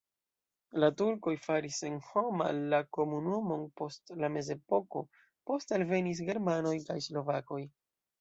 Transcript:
La turkoj faris senhoma la komunumon post la mezepoko, poste alvenis germanoj kaj slovakoj.